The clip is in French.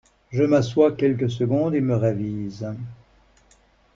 Je m’assois quelques secondes et me ravise.